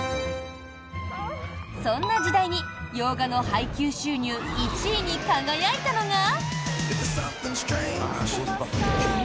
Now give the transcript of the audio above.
そんな時代に洋画の配給収入１位に輝いたのが。